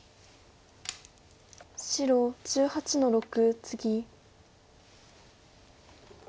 白１８の六ツギ。